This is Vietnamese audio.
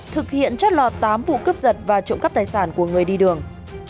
thực hiện chất lọt tám vụ cướp giật và trộm cắp tài sản của người đi đường